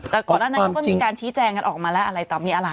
แต่ก่อนหน้านั้นเขาก็มีการชี้แจงกันออกมาแล้วอะไรต่อมีอะไร